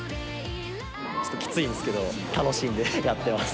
ちょっときついんですけど、楽しいんでやってます。